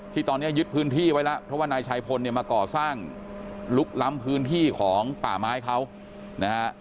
ที่ตอนนี้ยึดพื้นที่ไว้แล้วเพราะว่านายชายพลเนี่ยมาก่อสร้างลุกล้ำพื้นที่ของป่าไม้เขานะฮะ